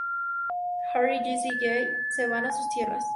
Harry, Jesse y Jay se van a sus tierras.